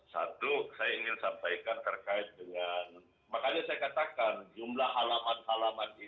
satu saya ingin sampaikan terkait dengan